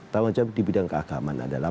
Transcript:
pertama jawab di bidang keagamaan adalah